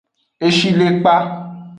Eshilekpa.